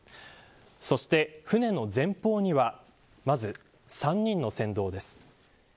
そして、舟の前方にはまず３人の船頭です。